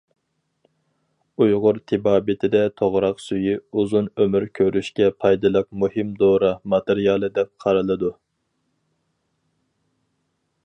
ئۇيغۇر تېبابىتىدە توغراق سۈيى ئۇزۇن ئۆمۈر كۆرۈشكە پايدىلىق مۇھىم دورا ماتېرىيالى دەپ قارىلىدۇ.